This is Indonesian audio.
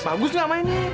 bagus nih amannya